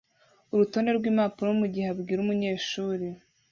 urutonde rwimpapuro mugihe abwira umunyeshuri